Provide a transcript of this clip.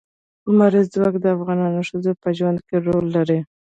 لمریز ځواک د افغان ښځو په ژوند کې رول لري.